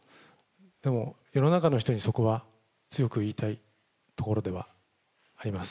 でも、世の中の人にそこは強く言いたいところではあります。